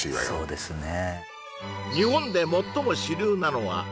そうですね